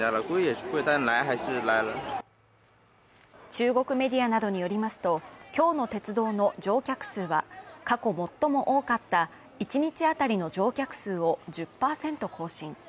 中国メディアなどによりますと今日の鉄道の乗客数は過去最も多かった一日当たりの乗客数を１０％更新。